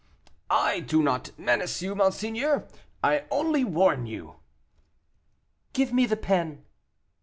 "I do not menace you, monseigneur I only warn you." "Give me the pen."